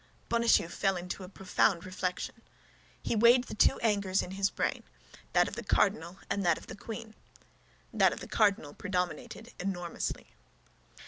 Bonacieux fell into a profound reflection. He weighed the two angers in his brain—that of the cardinal and that of the queen; that of the cardinal predominated enormously.